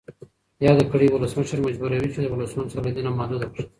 یاده کړۍ ولسمشر مجبوروي چې له ولسونو سره لیدنه محدوده کړي.